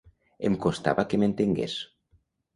Em costava que m’entengués.